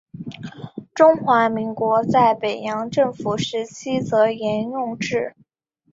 中华民国在北洋政府时期则沿用之。